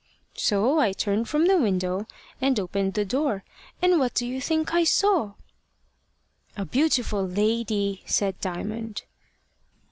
"So I turned from the window and opened the door; and what do you think I saw?" "A beautiful lady," said Diamond.